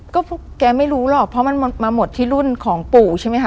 ก็แกไม่รู้หรอกเพราะมันมาหมดที่รุ่นของปู่ใช่ไหมคะ